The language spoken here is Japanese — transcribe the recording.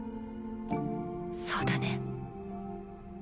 そうだね。